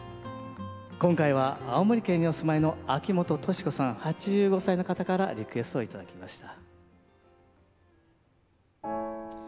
今回は青森県にお住まいの秋元敏子さん８５歳の方からリクエストを頂きました。